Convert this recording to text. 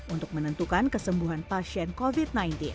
untuk menentukan kesembuhan pasien covid sembilan belas